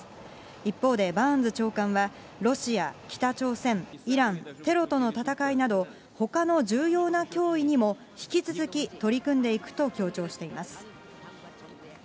一方でバーンズ長官は、ロシア、北朝鮮、イラン、テロとの戦いなど、ほかの重要な脅威にも引き続き取り組んでいくと強調しています。